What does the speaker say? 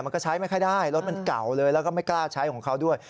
มันก็ใช้ไม่ค่อยได้รถมันเก่าเลยแล้วก็ไม่กล้าใช้ของเขาด้วย